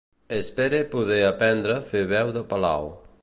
Espere poder aprendre a fer veu de Palao.